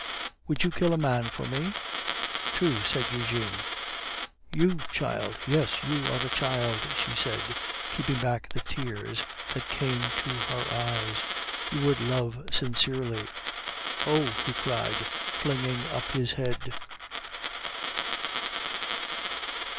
"Would you kill a man for me?" "Two," said Eugene. "You, child. Yes, you are a child," she said, keeping back the tears that came to her eyes; "you would love sincerely." "Oh!" he cried, flinging up his head.